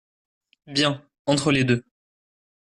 Bien, entre les deux.